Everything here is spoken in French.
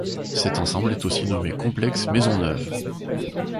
Cet ensemble est aussi nommé Complexe Maisonneuve.